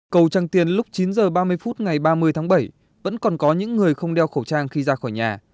cầu trang tiền lúc chín h ba mươi phút ngày ba mươi tháng bảy vẫn còn có những người không đeo khẩu trang khi ra khỏi nhà